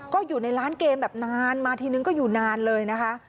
ก็อยู่ในร้านเกมแบบนานมาทีนึงก็อยู่นานเลยนะคะ